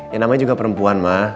ya namanya juga perempuan ma